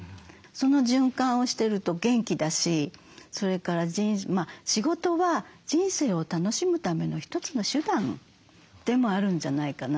その循環をしてると元気だしそれから仕事は人生を楽しむための一つの手段でもあるんじゃないかなと。